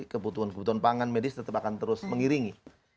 kebutuhan kebutuhan pangan medis tetap akan terus mengiringi